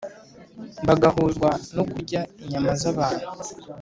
bagahuzwa no kurya inyama z’abantu,